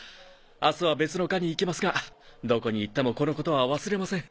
明日は別の課に行きますがどこに行ってもこのことは忘れません。